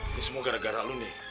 ini semua gara gara lu nih